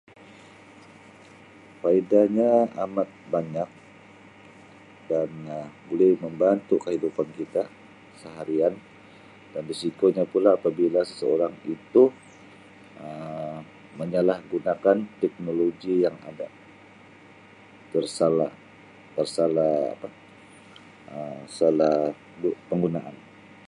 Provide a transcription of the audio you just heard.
Faedahnya amat banyak dan Um boleh membantu kehidupan kita seharian dan risikonya pula apabila seseorang itu Um menyalahgunakan teknologi yang ada tersalah-tersalah apa tersalah Um penggunaan.